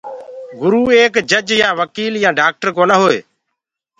گُرو ايڪ جيج يآ وڪيل يآ ڊآڪٽر ڪونآ هٽوئي۔